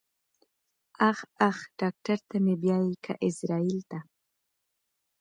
اخ اخ ډاکټر ته مې بيايې که ايزرايل ته.